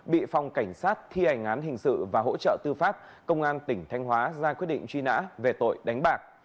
bị phòng cảnh sát thi hành án hình sự và hỗ trợ tư pháp công an tỉnh thanh hóa ra quyết định truy nã về tội đánh bạc